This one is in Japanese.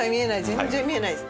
全然見えないです。